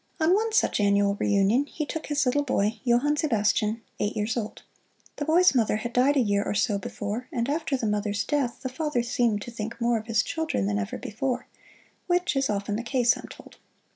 On one such annual reunion he took his little boy, Johann Sebastian, eight years old. The boy's mother had died a year or so before, and after the mother's death the father seemed to think more of his children than ever before which is often the case, I'm told.